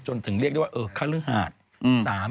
จนถึงเรียกได้ว่าเออคัลฮาต